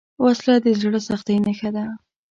وسله د زړه سختۍ نښه ده